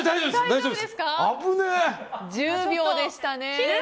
１０秒でしたね。